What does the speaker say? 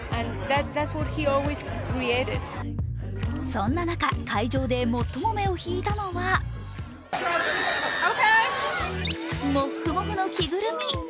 そんな中、会場で最も目を引いたのはもっふもふの着ぐるみ！